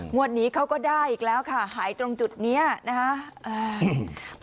วันนี้เขาก็ได้อีกแล้วค่ะหายตรงจุดนี้นะคะ